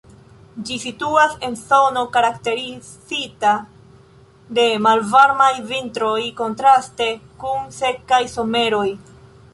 Ĝi situas en zono karakterizita de malvarmaj vintroj, kontraste kun sekaj someroj.